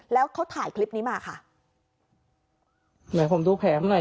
แล้วเขาถ่ายคลิปนี้มาค่ะไหนผมดูแผลมันหน่อย